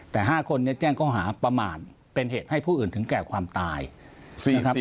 แต่๕คนเนี่ยแจ้งเข้าหาประมาณเป็นเหตุให้ผู้อื่นถึงแก่ความตายนะครับ